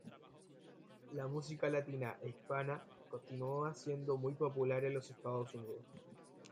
La música latina e hispana continúa siendo muy popular en los Estados Unidos.